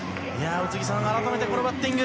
宇津木さん、改めてこのバッティング。